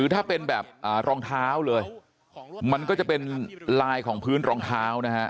ถ้าเป็นแบบรองเท้าเลยมันก็จะเป็นลายของพื้นรองเท้านะฮะ